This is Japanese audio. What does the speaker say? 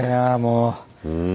うん。